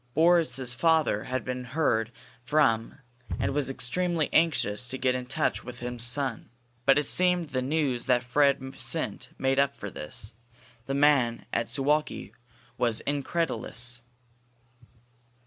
Boris's father had been heard from and was extremely anxious to get into touch with his son. But it seemed the news that Fred sent made up for this. The man at Suwalki was incredulous.